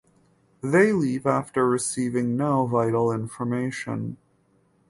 They leave after receiving no vital information.